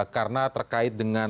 karena terkait dengan